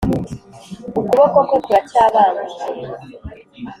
ukuboko kwe kuracyabanguye.